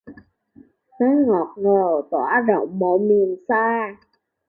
Nắng ngọt ngào toả rộng mọi miền xa